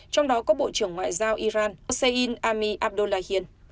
trong đó có bộ trưởng ngoại giao iran hossein ami abdullahian